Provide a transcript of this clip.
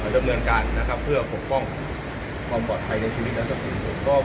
เรื่องด้านการณ์นะครับเพื่อพวงความปลอดภัยในชีวิตรสรรค์